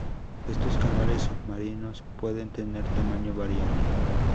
Estos canales submarinos pueden tener tamaño variable.